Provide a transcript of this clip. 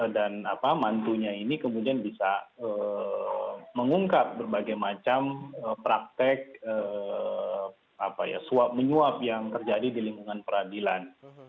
dan mantunya ini kemudian bisa mengungkap berbagai macam praktek suap menyuap yang terjadi di lingkungan peradilan